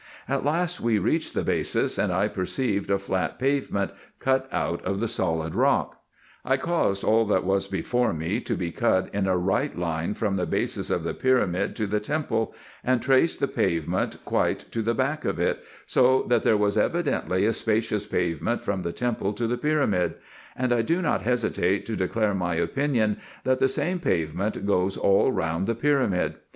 At last we reached the basis, and 1 perceived a flat pavement cut out of the solid rock. I caused all that was before me to be cut in a right line from the basis of the pyramid to the temple? * In spring and summer, very heavy dews fall at night. 262 RESEARCHES AND OPERATIONS and traced the pavement quite to the back of it, so that there was evidently a spacious pavement from the temple to the pyramid; and I do not hesitate to declare my opinion, that the same pavement goes all round the pyramid.